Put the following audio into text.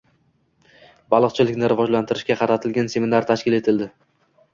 Baliqchilikni rivojlantirishga qaratilgan seminar tashkil etildi